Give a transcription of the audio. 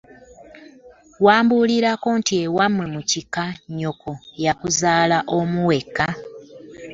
Wambuulirako nti ewammwe mu kika nnyoko yakuzaalayo omu wekka!